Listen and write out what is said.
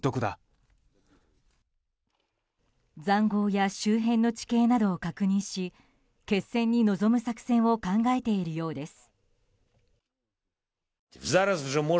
塹壕や周辺の地形などを確認し決戦に臨む作戦を考えているようです。